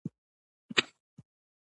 کلي د افغانستان د سیاسي جغرافیه برخه ده.